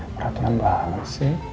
perhatian banget sih